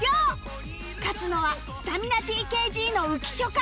勝つのはスタミナ ＴＫＧ の浮所か？